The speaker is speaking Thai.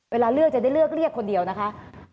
เวลาเลือกจะได้เลือกเรียกคนเดียวนะคะ